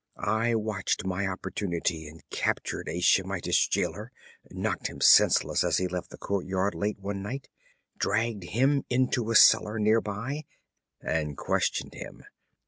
I watched my opportunity and captured a Shemitish jailer knocked him senseless as he left the courtyard late one night dragged him into a cellar near by and questioned him.